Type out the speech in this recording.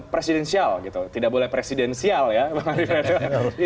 presidensial gitu tidak boleh presidensial ya pak mimpin